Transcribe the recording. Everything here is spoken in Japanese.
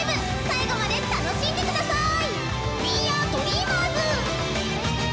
最後まで楽しんで下さい！